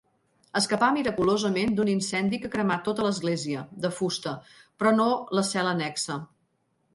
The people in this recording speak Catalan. Escapà miraculosament d'un incendi que cremà tota l'església, de fusta, però no la cel·la annexa.